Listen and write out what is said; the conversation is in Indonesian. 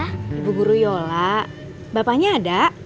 ibu guru yola bapaknya ada